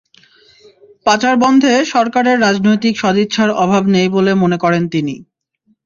পাচার বন্ধে সরকারের রাজনৈতিক সদিচ্ছার অভাব নেই বলে মনে করেন তিনি।